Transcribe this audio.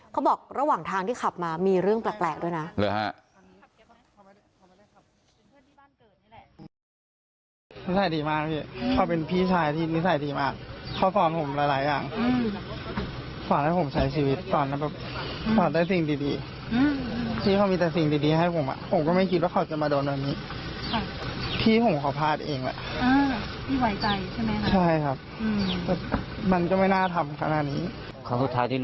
เขาบอกระหว่างทางที่ขับมามีเรื่องแปลกด้วยนะ